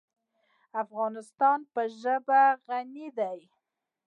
افغانستان په ژبې غني دی.